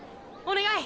お願い！！